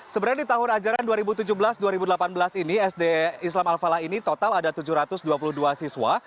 sebenarnya di tahun ajaran dua ribu tujuh belas dua ribu delapan belas ini sd islam al falah ini total ada tujuh ratus dua puluh dua siswa